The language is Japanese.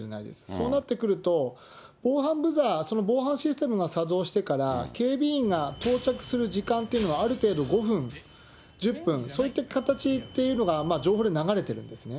そうなってくると、防犯ブザー、その防犯システムが作動してから、警備員が到着する時間というのはある程度５分、１０分、そういった形というのが情報で流れてるんですね。